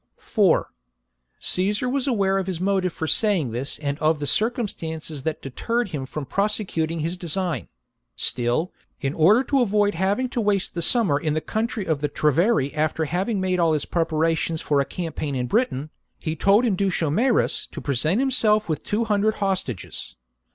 4. Caesar was aware of his motive for saying this and of the circumstances that deterred him from prosecuting his design ; still, in order to avoid having to waste the summer in the country of the Treveri after having made all his pre parations for a campaign in Britain, he told Indutiomarus to present himself with two hundred hostages.